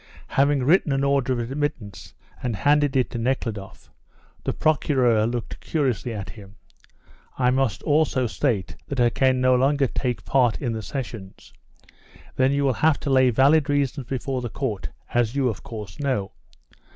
Having written an order of admittance, and handed it to Nekhludoff, the Procureur looked curiously at him. "I must also state that I can no longer take part in the sessions." "Then you will have to lay valid reasons before the Court, as you, of course, know."